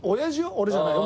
俺じゃないよ